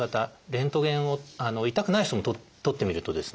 レントゲンを痛くない人も撮ってみるとですね